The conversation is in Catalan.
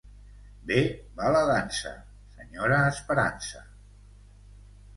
Bé va la dansa, senyora Esperança.